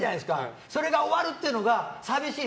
それが終わるっていうのが寂しい。